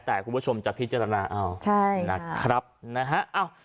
แต่คุณผู้ชมจะพิจารณาเอาใช่นะครับนะฮะ